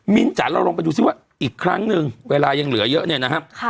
จ๋าเราลองไปดูซิว่าอีกครั้งหนึ่งเวลายังเหลือเยอะเนี่ยนะครับ